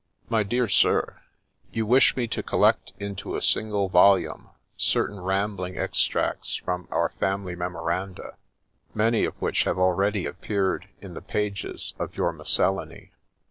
MY DEAR SIR, Yotr wish me to collect into a single volume certain rambling axtracte from our family memoranda, many of which have already appeared in the pages of your Miscdlany.